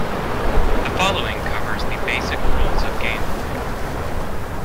The following covers the basic rules of gameplay.